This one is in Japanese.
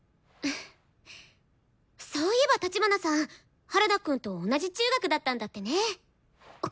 そういえば立花さん原田くんと同じ中学だったんだってね？